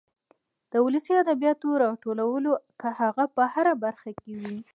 د ولسي ادبياتو راټولو که هغه په هره برخه کې وي.